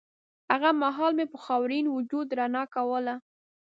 هغه مهال به مې خاورین وجود رڼا کوله